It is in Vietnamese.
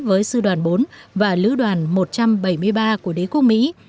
với sư đoàn bốn và lữ đoàn một trăm bảy mươi ba của đế quốc mỹ